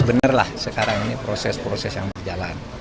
benarlah sekarang ini proses proses yang berjalan